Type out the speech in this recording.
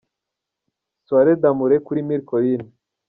Soiree des Amoureux kuri Mille Collines